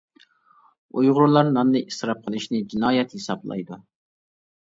ئۇيغۇرلار ناننى ئىسراپ قىلىشنى جىنايەت ھېسابلايدۇ.